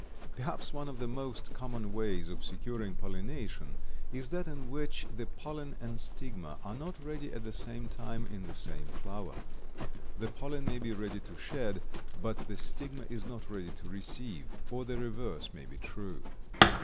Perhaps one of the most common ways of securing pollination is that in which the pollen and stigma are not ready at the same time in the same flower. The pollen may be ready to shed, but the stigma is not ready to receive, or the reverse may be true.